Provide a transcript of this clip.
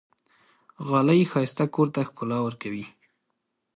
غالۍ ښایسته کور ته ښکلا ورکوي.